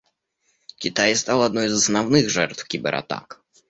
Китай стал одной из основных жертв кибератак.